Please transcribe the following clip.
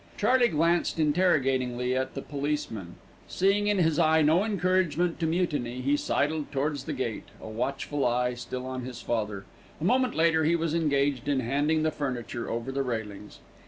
Charley glanced interrogatingly at the policeman. Seeing in his eye no encouragement to mutiny, he sidled towards the gate, a watchful eye still on his father. A moment later he was engaged in handing the furniture over the railings.